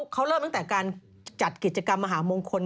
เขาเริ่มตั้งแต่การจัดกิจกรรมมหามงคล